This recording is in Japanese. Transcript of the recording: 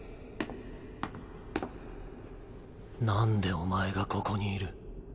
なんでお前がここにいる？